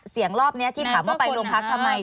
รอบนี้ที่ถามว่าไปโรงพักทำไม